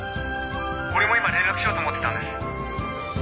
俺も今連絡しようと思ってたんです。